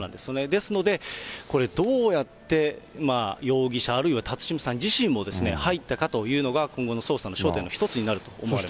ですので、これ、どうやって容疑者、あるいは辰島さん自身も入ったかというのが、今後の捜査の焦点の一つになると思われます。